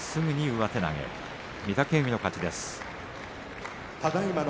上手投げ、御嶽海の勝ちです。